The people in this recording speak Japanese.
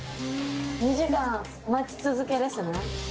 ２時間待ち続けですね。